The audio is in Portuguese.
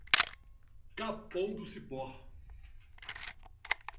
Capão do Cipó